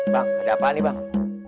bang ada apaan nih bang